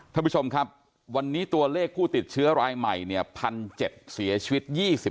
ท่านผู้ชมครับวันนี้ตัวเลขผู้ติดเชื้อรายใหม่๑๗๐๐เสียชีวิต๒๐